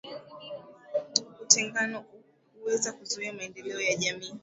Utengano huweza kuzuia maendeleo ya jamii